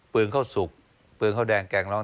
เปลืองข้าวสุกเปลืองข้าวแดงแกงร้อน